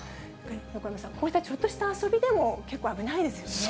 横山さん、ちょっとした遊びでも結構危ないですよね。